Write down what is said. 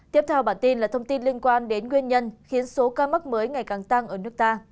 tiếp theo bản tin là thông tin liên quan đến nguyên nhân khiến số ca mắc mới ngày càng tăng ở nước ta